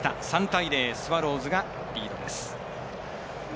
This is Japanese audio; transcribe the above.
３対０、スワローズリードです。